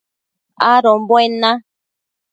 adombuen na